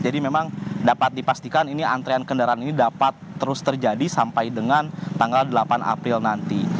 jadi memang dapat dipastikan ini antrean kendaraan ini dapat terus terjadi sampai dengan tanggal delapan april nanti